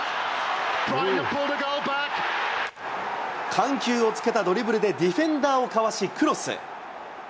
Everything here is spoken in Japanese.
緩急をつけたドリブルでディフェンダーをかわしクロス。